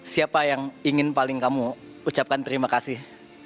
siapa yang ingin paling kamu ucapkan terima kasih